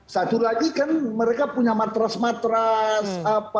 satu lagi kan mereka punya matras matras